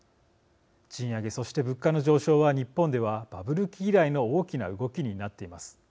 賃上げ、そして物価の上昇は日本ではバブル期以来の大きな動きになっています。